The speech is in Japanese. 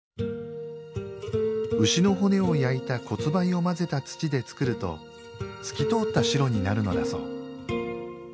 牛の骨を焼いた骨灰を混ぜた土で作ると、透き通った白になるのだそう。